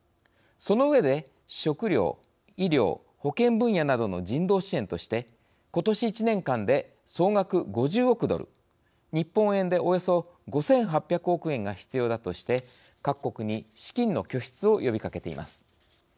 その上で、食糧、医療保健分野などの人道支援としてことし１年間で総額５０億ドル日本円で、およそ５８００億円が必要だとして各国に資金の拠出を呼びかけています。